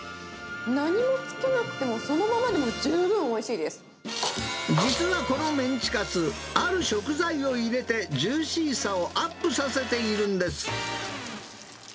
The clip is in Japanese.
何もつけなくても、そのままでも実はこのメンチカツ、ある食材を入れて、ジューシーさをアップさせているんです。